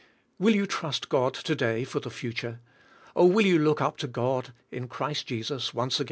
Will j^ou trust God to day for the future? Oh, will you look up to God in Christ Jesus once agaui?